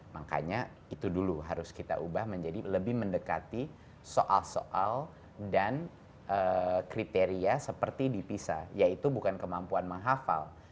makanya itu dulu harus kita ubah menjadi lebih mendekati soal soal dan kriteria seperti dipisah yaitu bukan kemampuan menghafal